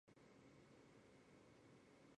育婴留职停薪期满后